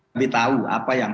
lebih tahu apa yang